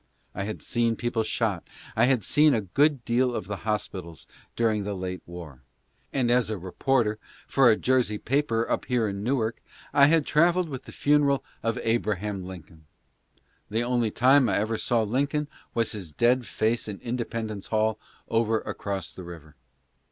I had seen people shot, and I had seen a good deal of the hospitals during the late war ; and as a reporter for a Jersey paper up here in Newark, I had travelled with the funeral of Abraham Lincoln. The only time I ever saw Lincoln was his dead face in Independence Hall over across the river.